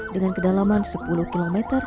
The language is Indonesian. dengan kedalaman sepuluh km